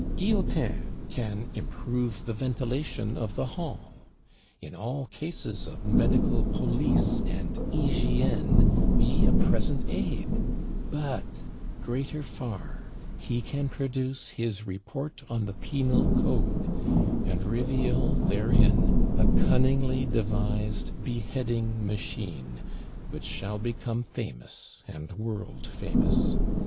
Guillotin can improve the ventilation of the Hall; in all cases of medical police and hygiène be a present aid: but greater far, he can produce his 'Report on the Penal Code,' and reveal therein a cunningly devised Beheading Machine, which shall become famous and world famous.